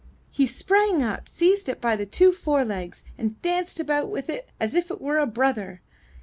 '' He sprang up, seized it by the two forelegs, and danced about with it as if it were a brother.